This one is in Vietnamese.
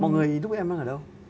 mọi người lúc em đang ở đâu